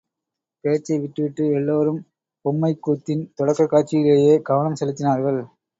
பேச்சை விட்டுவிட்டு எல்லாரும் பொம்மைக்கூத்தின் தொடக்கக் காட்சியிலேயே கவனம் செலுத்தினார்கள்.